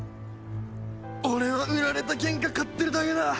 俺は売られた喧嘩買ってるだけだ。